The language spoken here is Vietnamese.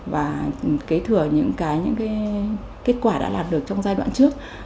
và kế thừa những cái kết quả đã làm được trong giai đoạn trước